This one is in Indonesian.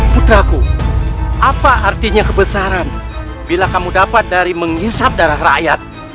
putraku apa artinya kebesaran bila kamu dapat dari menghisap darah rakyat